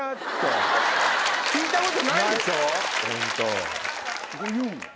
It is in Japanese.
聞いたことないでしょ？